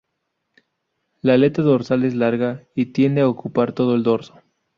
La aleta dorsal es larga y tiende a ocupar todo el dorso.